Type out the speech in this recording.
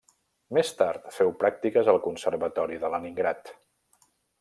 Més tard féu pràctiques al Conservatori de Leningrad.